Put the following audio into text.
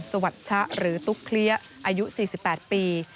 สวัสชะหรือตุ๊กเคลี้ยอายุ๔๘ปี